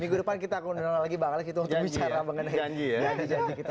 minggu depan kita akan menunang lagi bang alex untuk bicara mengenai janji kita